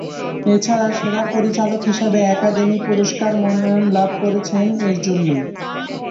এছাড়া সেরা পরিচালক হিসেবে একাডেমি পুরস্কার মনোনয়ন লাভ করেছেন এর জন্যই।